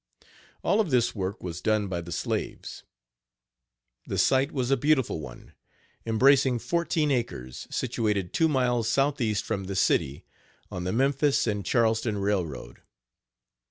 All of this work was done by the slaves. The site was a beautiful one, embracing fourteen acres, situated two miles southeast from the city, on the Memphis and Charleston railroad.